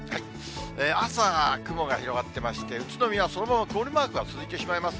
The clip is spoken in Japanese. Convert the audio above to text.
朝、雲が広がってまして、宇都宮、そのまま曇りマークが続いてしまいます。